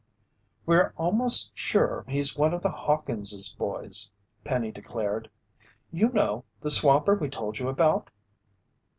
"We're almost sure he's one of the Hawkins' boys," Penny declared. "You know, the swamper we told you about."